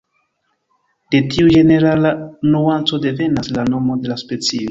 De tiu ĝenerala nuanco devenas la nomo de la specio.